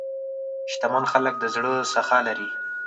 شتمن خلک د زړه سخا لري.